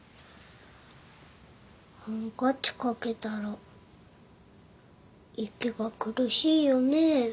ハンカチ掛けたら息が苦しいよね。